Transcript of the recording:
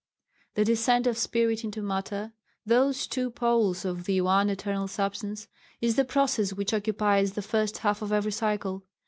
The descent of spirit into matter these two poles of the one eternal substance is the process which occupies the first half of every cycle.